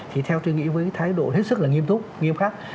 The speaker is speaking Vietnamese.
thì theo tôi nghĩ với thái độ hết sức là nghiêm túc nghiêm khắc